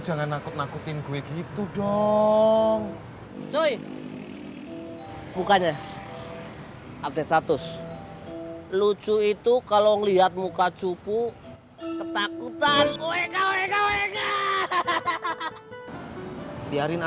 saksikan film kamu tidak sendiri